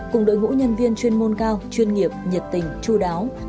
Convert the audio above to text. cùng đội ngũ nhân viên chuyên môn cao chuyên nghiệp nhiệt tình chú đáo